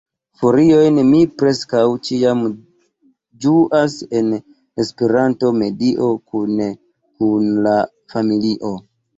Feriojn mi preskaŭ ĉiam ĝuas en Esperanto-medio, kune kun la familio.